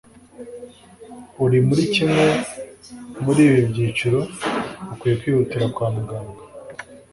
uri muri kimwe muri ibi byiciro ukwiye kwihutira kwamuganga